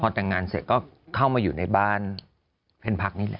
แต่งงานเสร็จก็เข้ามาอยู่ในบ้านเพ่นพักนี่แหละ